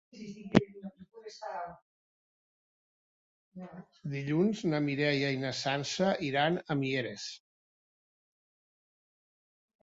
Dilluns na Mireia i na Sança iran a Mieres.